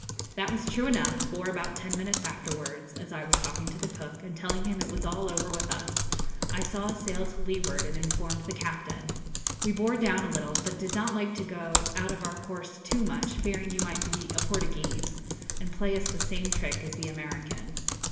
That was true enough, for, about ten minutes afterwards, as I was talking to the cook, and telling him it was all over with us, I saw a sail to leeward, and informed the captain. We bore down a little, but did not like to go out of our course too much, fearing you might be a "Portuguese," and play us the same trick as the American.'